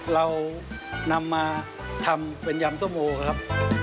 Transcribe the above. เรานำมาทำเป็นยำส้มโอครับ